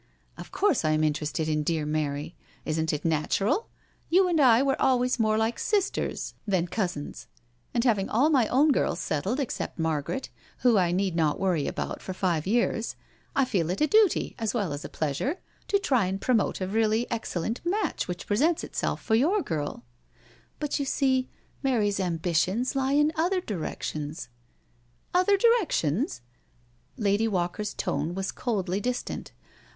"Of course I am interested in dear Mary; isn't it natural? You and I were always more like sisters than 26 NO SURRENDER cousins, and having all my own girls settled except Margaret, who I need not worry about for five years, I feel it a duty as well as a pleasure to try and pro mote a really excellent imatch which presents itself for your girl," " But you see, Mary's ambitions lie in other direc tions •*" Other, directions?*' Lady Walker's tone was coldly distant.